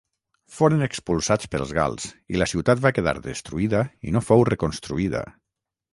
Foren expulsats pels gals i la ciutat va quedar destruïda i no fou reconstruïda.